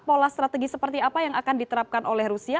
pola strategi seperti apa yang akan diterapkan oleh rusia